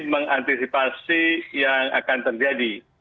yang antisipasi yang akan terjadi